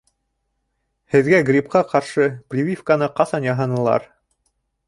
Һеҙгә грипҡа ҡаршы прививканы ҡасан яһанылар?